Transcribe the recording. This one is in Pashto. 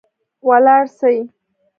ولاړ سئ